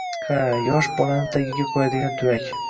— Ha, yosh bolani tagiga qo‘yadigan tuvak.